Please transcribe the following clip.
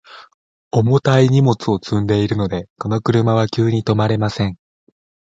重たい荷物を積んでいるので、この車は急に止まれません。